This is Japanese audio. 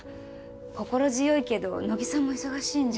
心強いけど乃木さんも忙しいんじゃ？